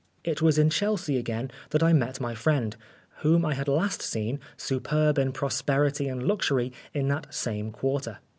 It was in Chelsea again, that I met my friend, whom I had last seen, superb in prosperity and luxury, in that same quarter.